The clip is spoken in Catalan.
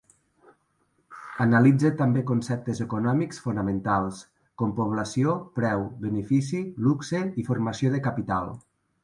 Analitza també conceptes econòmics fonamentals com població, preu, benefici, luxe, i formació de capital.